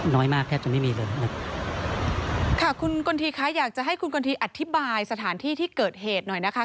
น้อยมากแทบจะไม่มีเลยนะครับค่ะคุณกลทีคะอยากจะให้คุณกลทีอธิบายสถานที่ที่เกิดเหตุหน่อยนะคะ